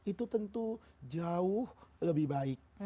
itu tentu jauh lebih baik